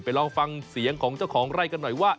ลองฟังเสียงของเจ้าของไร่กันหน่อยว่า